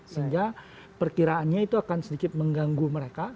sehingga perkiraannya itu akan sedikit mengganggu mereka